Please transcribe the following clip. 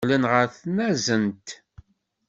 Qqlen ɣer tnazent.